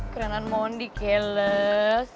kerenan mondi keles